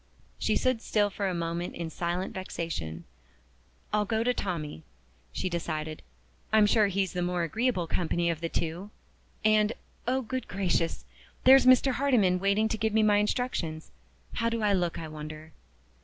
She stood still for a moment in silent vexation. "I'll go to Tommie!" she decided. "I'm sure he's the more agreeable company of the two. And oh, good gracious! there's Mr. Hardyman waiting to give me my instructions! How do I look, I wonder?"